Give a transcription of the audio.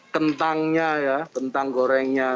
kentangnya ya kentang gorengnya